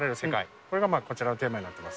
これがこちらのテーマになってます。